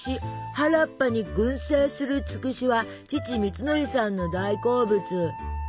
原っぱに群生するつくしは父みつのりさんの大好物。